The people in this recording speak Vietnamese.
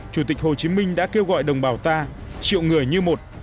chủ tịch hồ chí minh đã kêu gọi đồng bào ta triệu người như một